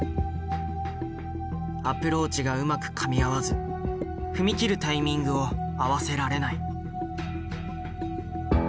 アプローチがうまくかみ合わず踏み切るタイミングを合わせられない。